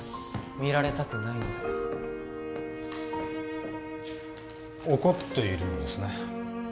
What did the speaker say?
見られたくないので怒っているのですね